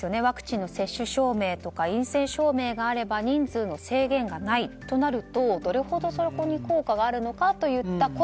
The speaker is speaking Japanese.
ワクチンの接種証明とか陰性証明があれば人数に制限がないとなるとどれほど効果があるのかといった